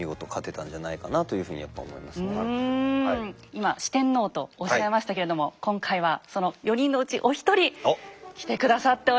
今「四天王」とおっしゃいましたけれども今回はその４人のうちお一人来て下さっております。